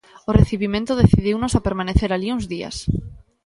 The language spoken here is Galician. O recibimento decidiunos a permanecer alí uns días.